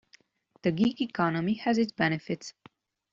The gig economy has its benefits.